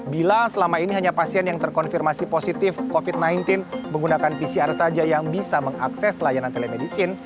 bila selama ini hanya pasien yang terkonfirmasi positif covid sembilan belas menggunakan pcr saja yang bisa mengakses layanan telemedicine